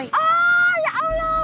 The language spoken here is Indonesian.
oh ya allah